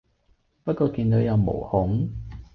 不過見到有毛孔